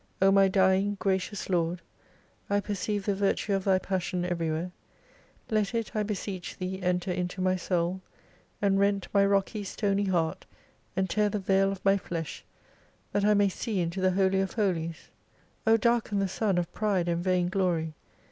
O my Dying Gracious Lord, I perceive the virtue of Thy passion everywhere : Let it. I beseech Thee, enter into my Soul, and rent my rocky, stony heart, and tear the veil of my flesh, that I may see into the Holy of Holies ! O darken the Sun of pride and vain glory.